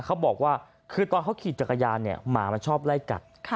เขาบอกว่าคือตอนเขาขี่จักรยานเนี่ยหมามันชอบไล่กัด